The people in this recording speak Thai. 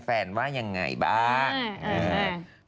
ว่ายังไงบ้าง